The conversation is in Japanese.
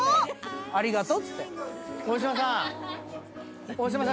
「ありがとうっつって」